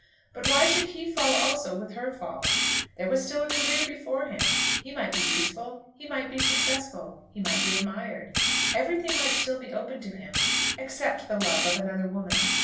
But why should he fall also with her fall? There was still a career before him. He might be useful; he might be successful; he might be admired. Everything might still be open to him, except the love of another woman.